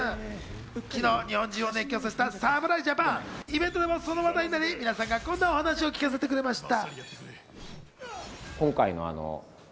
昨日、日本中を熱狂させた侍ジャパン、イベントでもその話題になり、皆さんがこんなお話を聞かせてくれました。